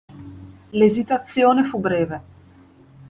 L’esitazione fu breve.